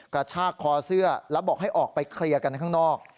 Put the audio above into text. กระชากคอเสื้อแล้วบอกให้ออกไปเคลียร์กันข้างนอก